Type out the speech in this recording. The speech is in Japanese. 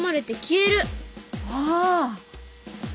ああ。